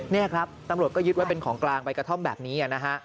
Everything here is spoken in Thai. นี่ครับตำรวจก็ยึดไว้เป็นของกลางใบกระท่อมแบบนี้นะฮะ